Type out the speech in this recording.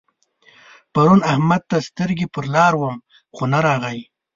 پرون احمد ته سترګې پر لار وم خو نه راغی.